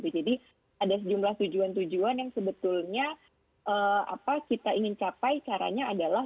jadi ada sejumlah tujuan tujuan yang sebetulnya kita ingin capai caranya adalah